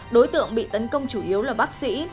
đối tượng bị tấn công chủ yếu là bác sĩ